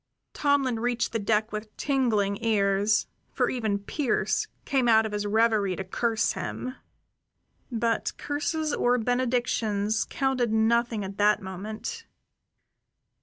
Tomlin reached the deck with tingling ears, for even Pearse came out of his reverie to curse him. But curses or benedictions counted nothing at that moment.